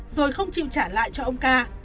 rồi không chịu trả lại cho ông ca